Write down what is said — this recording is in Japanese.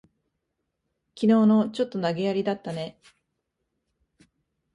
きのうの、ちょっと投げやりだったね。